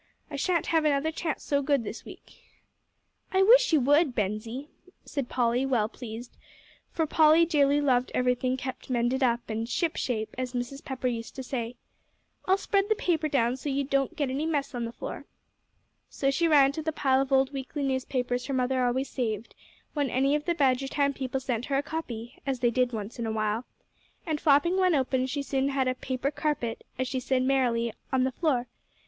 I shan't have another chance so good this week." "I wish you would, Bensie," said Polly, well pleased, for Polly dearly loved everything kept mended up, and "shipshape," as Mrs. Pepper used to say. "I'll spread the paper down so you don't get any mess on the floor." So she ran to the pile of old weekly newspapers her mother always saved, when any of the Badgertown people sent her a copy, as they did once in a while, and flapping one open, she soon had a "paper carpet," as she said merrily, on the floor.